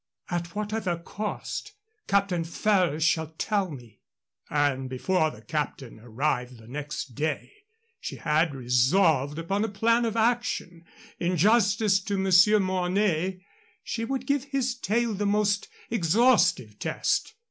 "At whatever cost, Captain Ferrers shall tell me." And before the captain arrived the next day she had resolved upon a plan of action. In justice to Monsieur Mornay, she would give his tale the most exhaustive test.